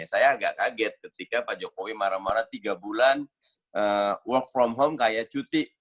saya agak kaget ketika pak jokowi marah marah tiga bulan work from home kayak cuti